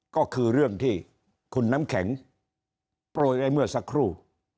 ก็คือเรื่องที่คุณน้ำแข็งโปรยไว้เมื่อสักครู่